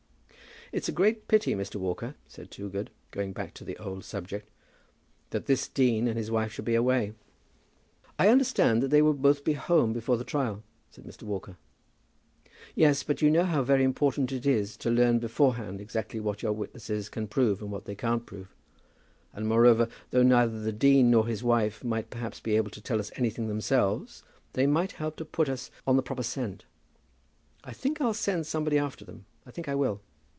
"It's a great pity, Mr. Walker," said Toogood, going back to the old subject, "that this dean and his wife should be away." "I understand that they will both be home before the trial," said Mr. Walker. "Yes, but you know how very important it is to learn beforehand exactly what your witnesses can prove and what they can't prove. And moreover, though neither the dean nor his wife might perhaps be able to tell us anything themselves, they might help to put us on the proper scent. I think I'll send somebody after them. I think I will."